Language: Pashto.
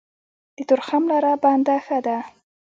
د تورخم لاره بنده ښه ده.